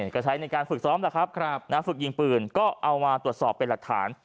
ก็ใช้ในการฝึกซ้อมแหละครับฝึกยิงปืนก็เอามาตรวจสอบเป็นหลักฐาน